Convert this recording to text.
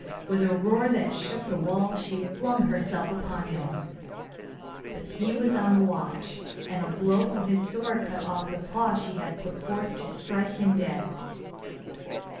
With a roar that shook the walls she flung herself upon him; but he was on the watch, and a blow from his sword cut off the paw she had put forth to strike him dead.